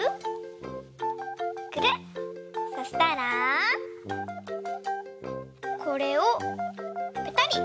そしたらこれをぺたり。